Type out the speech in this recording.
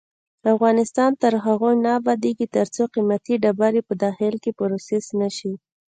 افغانستان تر هغو نه ابادیږي، ترڅو قیمتي ډبرې په داخل کې پروسس نشي.